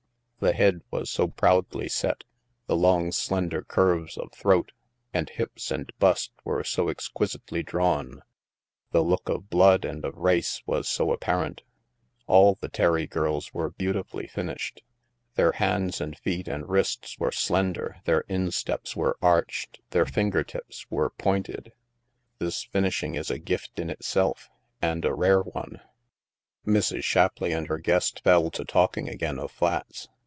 The head was so proudly set, the long slender curves of throat, and hips, and bust, were so exquisitely drawn; the look of blood and of race was so ap parent. All the Terry ^rls were beautifully fin ished ; their hands and feet and wrists were slender ; their insteps were arched; their finger tips were pointed; this "finishing" is a gift in itself, and a rare one. Mrs. Shapleigh and her guest fell to talking again of flats.